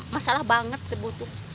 masalah banget debu itu